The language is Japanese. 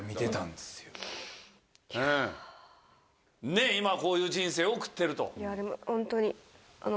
で今こういう人生を送ってると。